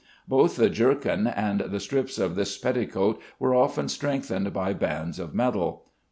Both the jerkin and the strips of this petticoat were often strengthened by bands of metal.